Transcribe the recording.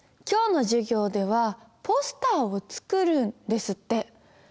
今日の授業ではポスターを作るんですって。